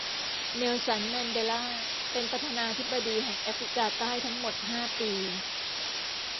เนลสัน แมนเดลาเป็นประธานาธิบดีแห่งแอฟริกาใต้ทั้งหมดห้าปี